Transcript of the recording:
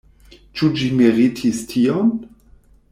Ĉu ĝi meritis tion?